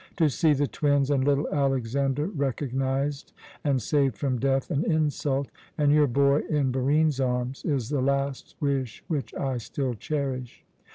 To see the twins and little Alexander recognized and saved from death and insult, and your boy in Barine's arms, is the last wish which I still cherish."